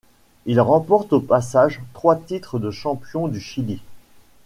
Il remporte au passage trois titre de champion du Chili.